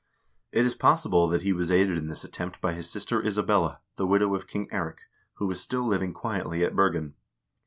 It is possible that he was aided in this attempt by his sister Isabella, the widow of King Eirik, who was still living quietly at Bergen.